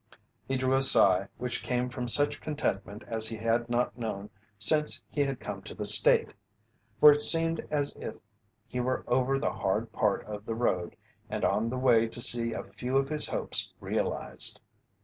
He drew a sigh which came from such contentment as he had not known since he came to the State, for it seemed as if he were over the hard part of the road and on the way to see a few of his hopes realized.